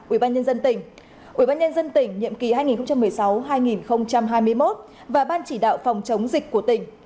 ủy ban nhân dân tỉnh ủy ban nhân dân tỉnh nhiệm kỳ hai nghìn một mươi sáu hai nghìn hai mươi một và ban chỉ đạo phòng chống dịch của tỉnh